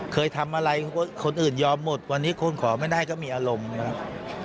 เคยทำอะไรคนอื่นยอมหมดวันนี้คุณขอไม่ได้ก็มีอารมณ์นะครับ